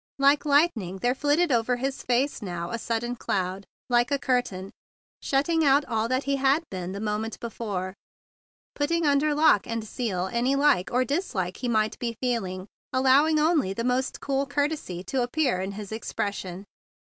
Like lightning there flitted over his face now a sudden cloud like a curtain, shutting out all that he had been the moment before, putting under lock and seal any like or dislike he might be feeling, allowing only the most cool courtesy to appear in his ex¬ pression.